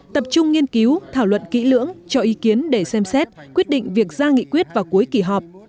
tập trung nghiên cứu thảo luận kỹ lưỡng cho ý kiến để xem xét quyết định việc ra nghị quyết vào cuối kỳ họp